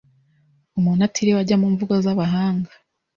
Umuntu atiriwe ajya mu mvugo z’abahanga,